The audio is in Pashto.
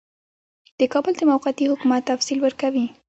د کابل د موقتي حکومت تفصیل ورکوي.